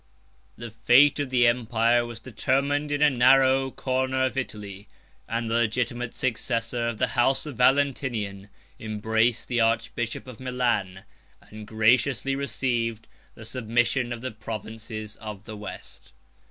The fate of the empire was determined in a narrow corner of Italy; and the legitimate successor of the house of Valentinian embraced the archbishop of Milan, and graciously received the submission of the provinces of the West.